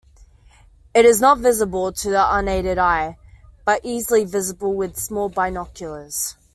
It is not visible to the unaided eye, but easily visible with small binoculars.